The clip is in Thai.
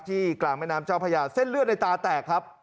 กลางแม่น้ำเจ้าพญาเส้นเลือดในตาแตกครับ